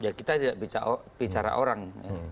ya kita tidak bicara orang